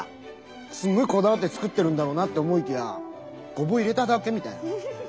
すんごいこだわって作ってるんだろうなって思いきやごぼう入れただけみたいな。